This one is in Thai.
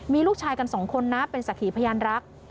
มีลูกชายกันสองคนนะเป็นสักขีพยานรัก